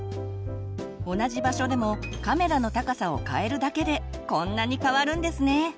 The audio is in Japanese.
同じ場所でもカメラの高さをかえるだけでこんなに変わるんですね。